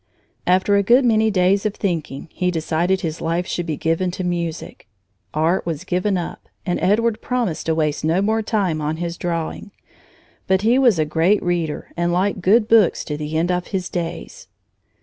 After a good many days of thinking, he decided his life should be given to music. Art was given up, and Edward promised to waste no more time on his drawing. But he was a great reader and liked good books to the end of his days.